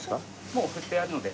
もう振ってあるので。